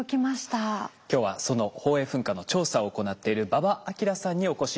今日はその宝永噴火の調査を行っている馬場章さんにお越し頂きました。